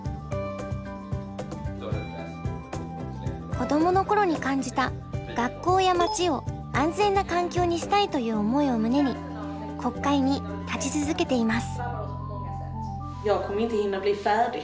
子どもの頃に感じた「学校や街を安全な環境にしたい」という思いを胸に国会に立ち続けています。